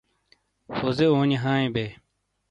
ہوزے اونِیے ھائیں بے۔